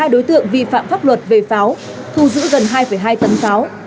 một mươi hai đối tượng vi phạm pháp luật về pháo thu giữ gần hai hai tấn pháo